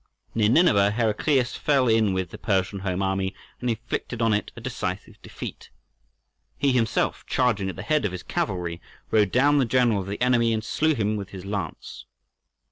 Near Nineveh Heraclius fell in with the Persian home army and inflicted on it a decisive defeat. He himself, charging at the head of his cavalry, rode down the general of the enemy and slew him with his lance.